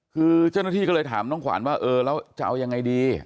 คือเจ้าหน้าที่ก็เลยถามน้องขวัญว่าเออแล้วจะเอายังไงดี